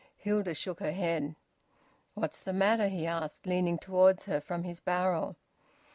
Hilda shook her head. "What's the matter?" he asked, leaning towards her from his barrel.